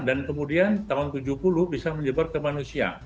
dan kemudian tahun tujuh puluh bisa menyebar ke manusia